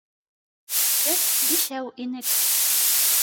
Беҙ бишәү инек.